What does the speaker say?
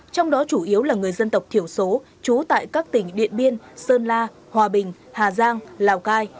trong đó chủ yếu là người dân tộc thiểu số trú tại các tỉnh điện biên sơn la hòa bình hà giang lào cai